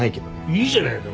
いいじゃないか。